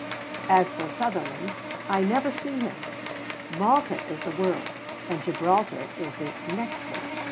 As for Sutherland, I never see him. Malta is the world. And Gibraltar is the "next world."